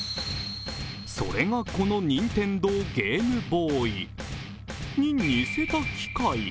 それがこの任天堂ゲームボーイに似せた機械。